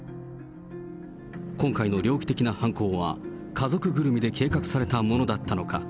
今回の猟奇的な犯行は、家族ぐるみで計画されたものだったのか。